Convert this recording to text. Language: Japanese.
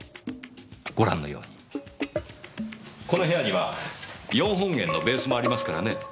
ご覧のようにこの部屋には４本弦のベースもありますからね。